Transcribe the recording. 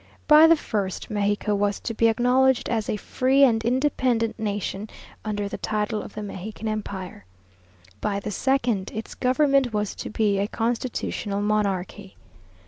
By the first, Mexico was to be acknowledged as a free and independent nation, under the title of the Mexican empire. By the second, its government was to be a constitutional monarchy.